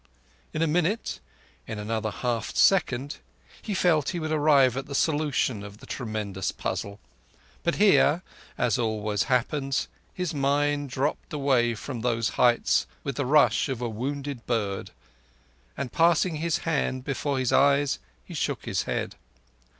In a minute—in another half second—he felt he would arrive at the solution of the tremendous puzzle; but here, as always happens, his mind dropped away from those heights with a rush of a wounded bird, and passing his hand before his eyes, he shook his head.